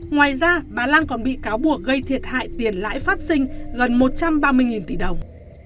ngoài ra bà lan còn bị cáo buộc gây thiệt hại tiền lãi phát sinh gần một trăm ba mươi tỷ đồng